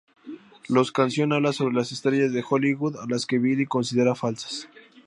Los canción habla sobre las estrellas de Hollywood a las que Billie considera falsas.